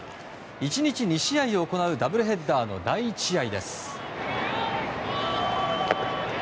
１日２試合を行うダブルヘッダーの第１試合。